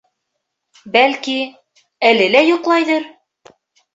Бәлки, әле лә йоҡлайҙыр.